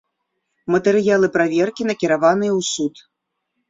Матэрыялы праверкі накіраваныя ў суд.